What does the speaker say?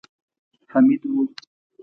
حميد و.